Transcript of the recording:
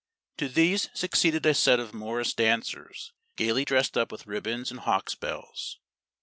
To these succeeded a set of morris dancers, gayly dressed up with ribbons and hawks' bells.